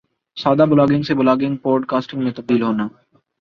سادہ بلاگنگ سے blogging podcasting میں تبدیل ہونا